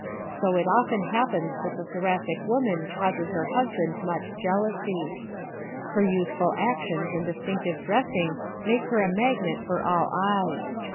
So it often happens that the Thoracic woman causes her husband much jealousy. Her youthful actions and distinctive dressing make her a magnet for all eyes.